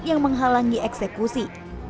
yang menghalangi eksekusi